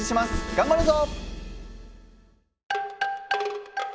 頑張るぞ！